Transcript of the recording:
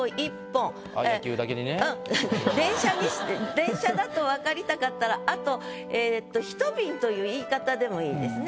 電車だと分かりたかったら「あと一便」という言い方でも良いですね。